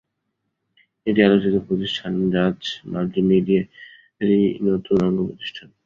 এটি আলোচিত প্রতিষ্ঠান জাজ মাল্টিমিডিয়ারই নতুন অঙ্গ প্রতিষ্ঠান।